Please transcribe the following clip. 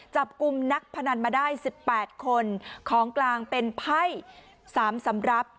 จับกลุ่มนักพนันมาได้๑๘คนของกลางเป็นไพ่๓สำรับ